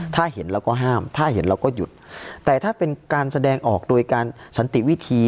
ถ้าเห็นเราก็ห้ามถ้าเห็นเราก็หยุดแต่ถ้าเป็นการแสดงออกโดยการสันติวิธี